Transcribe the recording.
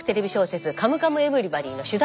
で「カムカムエヴリバディ」は親子。